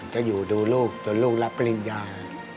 จะอยู่ดูลูกจนลูกรับปริญญา